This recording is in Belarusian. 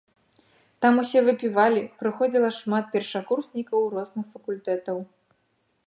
Там усе выпівалі, прыходзіла шмат першакурснікаў розных факультэтаў.